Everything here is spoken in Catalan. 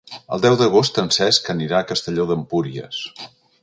El deu d'agost en Cesc anirà a Castelló d'Empúries.